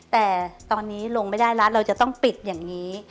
แต่ตอนนี้ลงไม่ได้แล้วเราจะต้องปิดอย่างนี้